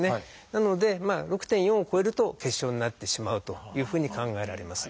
なので６．４を超えると結晶になってしまうというふうに考えられます。